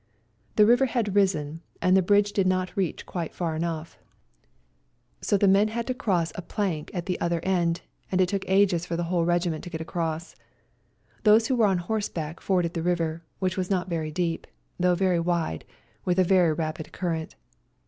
The river had risen, and the bridge did not reach quite far enough, so ELBASAN 153 the men had to cross a plank at the other end, and it took ages for the whole regi ment to get across. Those who were on horseback forded the river, which was not very deep, though very wide, with a very rapid current.